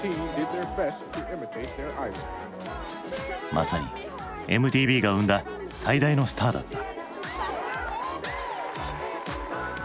まさにＭＴＶが生んだ最大のスターだった。